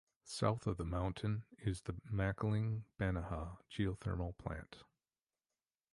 South of the mountain is the Makiling-Banahaw Geothermal Plant.